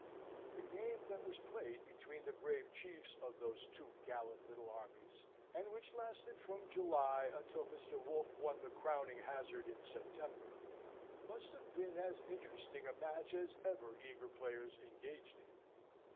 The game that was played between the brave chiefs of those two gallant little armies, and which lasted from July until Mr. Wolfe won the crowning hazard in September, must have been as interesting a match as ever eager players engaged in.